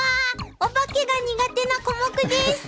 お化けが苦手なコモクです。